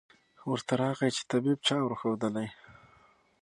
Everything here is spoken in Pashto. ورته راغی چي طبیب چا ورښودلی